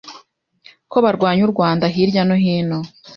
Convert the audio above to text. ko barwanya u Rwanda hirya no hino,